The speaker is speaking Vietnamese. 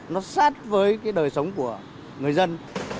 nó sát với cái đời sống của người dân